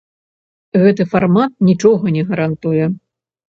Гэты фармат нічога не гарантуе.